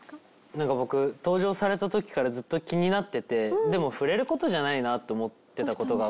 なんか僕登場された時からずっと気になっててでも触れる事じゃないなと思ってた事が。